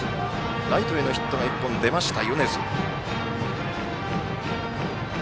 ライトへのヒットが１本出た米津。